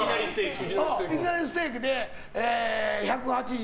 いきなりステーキで１８０